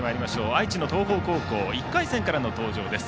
愛知の東邦高校１回戦からの登場です。